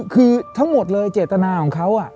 คือทั้งหมดเลยเจตนาของเขา